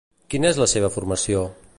Quina és la seva formació?